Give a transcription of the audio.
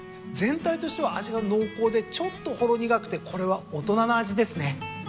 全体としては味が濃厚でちょっとほろ苦くてこれは大人な味ですね。